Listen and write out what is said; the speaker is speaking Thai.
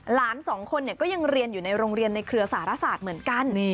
หลานสองคนก็ยังเรียนอยู่ในโรงเรียนในเครือสารศาสตร์เหมือนกัน